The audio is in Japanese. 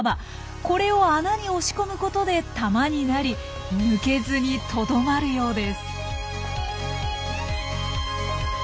これを穴に押し込むことで玉になり抜けずにとどまるようです。